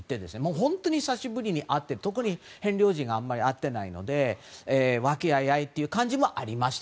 ほんと久しぶりでヘンリー王子があまり会っていないので和気あいあいという感じもありました。